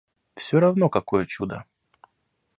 Все равно какое чудо.